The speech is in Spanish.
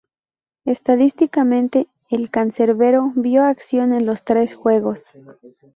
Estadísticamente, el cancerbero vio acción en los tres juegos.